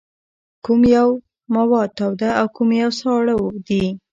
کوم یو مواد تاوده او کوم یو ساړه دي؟